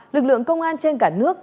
lực lượng công an trên cả nước